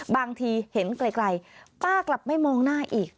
บางทีเห็นไกลป้ากลับไม่มองหน้าอีก